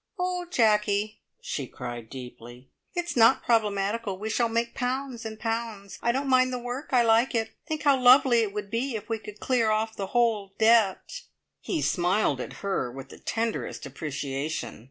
"Oh, Jacky," she cried deeply. "It is not problematical. We shall make pounds and pounds. I don't mind the work. I like it. Think how lovely it would be if we could clear off the whole debt!" He smiled at her with the tenderest appreciation.